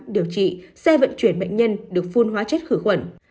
điều trị xe vận chuyển bệnh nhân được phun hóa chất khử khuẩn